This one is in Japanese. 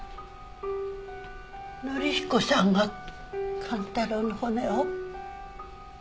紀彦さんが寛太郎の骨を？